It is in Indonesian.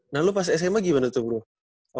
nah lo pas sma gimana tuh bro